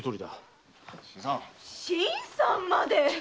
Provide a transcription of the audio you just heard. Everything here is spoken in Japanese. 新さんまで！